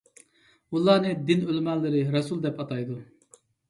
ئۇلارنى دىن ئۆلىمالىرى رەسۇل دەپ ئاتايدۇ.